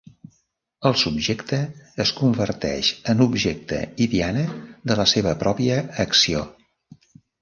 El subjecte es converteix en objecte i diana de la seva pròpia acció.